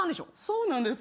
そうなんです。